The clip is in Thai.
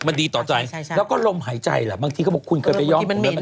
มันดีต่อใจแล้วก็ลมหายใจบางทีเขาบอกคุณเคยไปย้อมมันเหม็น